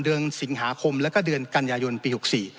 เดือนสิงหาคมแล้วก็เดือนกันยายนปี๖๔